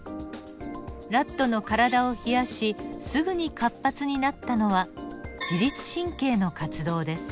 ラットの体を冷やしすぐに活発になったのは自律神経の活動です。